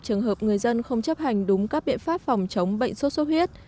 trường hợp người dân không chấp hành đúng các biện pháp phòng chống bệnh sốt sốt huyết